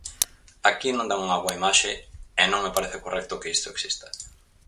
Aquí non dan unha boa imaxe e non me parece correcto que isto exista.